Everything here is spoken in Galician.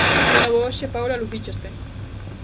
De novo hoxe, Paula, lucícheste.